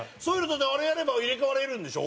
あれやれば入れ替われるんでしょ？